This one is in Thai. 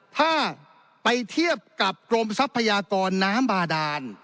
ถ้าไปเทียบกับกรมทรัพยากรน้ำบาดาน